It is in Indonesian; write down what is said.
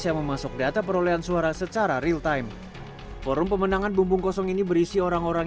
yang memasuk data perolehan suara secara real time forum pemenangan bumbung kosong ini berisi orang orang